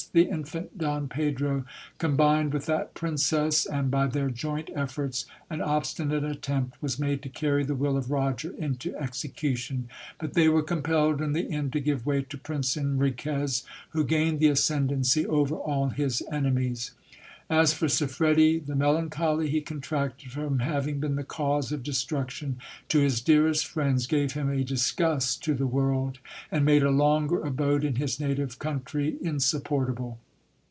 The infant Don Pedro combined with that princess, and by their joint efforts, an obstinate attempt was made to carry the will of Roger into execution ; but they were compelled in the end to give way to Prince Enriquez, who gained the ascend ancy over all his enemies. As for Siffredi, the melancholy he contracted from having been the cause of destruction to his dearest friends, gave him a disgust to the world, and made a longer abode in his native country insupportable.